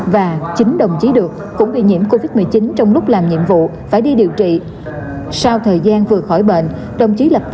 và chính đồng chí được cũng bị nhiễm covid một mươi chín trong lúc làm nhiệm vụ phải đi điều trị